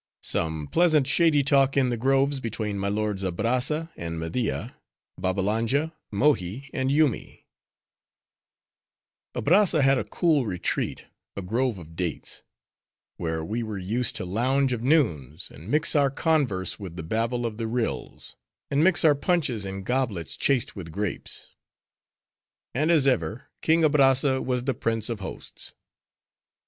Some Pleasant, Shady Talk In The Groves, Between My Lords Abrazza And Media, Babbalanja, Mohi, And Yoomy Abrazza had a cool retreat—a grove of dates; where we were used to lounge of noons, and mix our converse with the babble of the rills; and mix our punches in goblets chased with grapes. And as ever, King Abrazza was the prince of hosts.